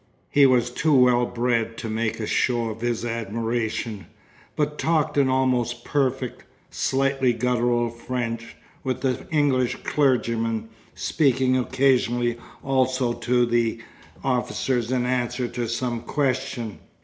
He was too well bred to make a show of his admiration, but talked in almost perfect, slightly guttural French, with the English clergyman, speaking occasionally also to the officers in answer to some question.